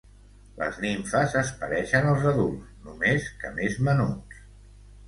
Les nimfes es pareixen als adults, només que més menuts.